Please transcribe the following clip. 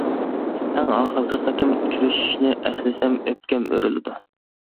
ئەڭ ئاخىرقى قېتىم ئۇچرىشىشنى ئەسلىسەم ئۆپكەم ئۆرۈلىدۇ.